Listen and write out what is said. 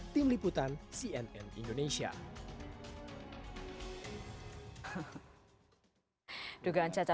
tim liputan cnn indonesia